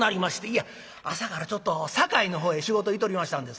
いや朝からちょっと堺のほうへ仕事行っとりましたんです。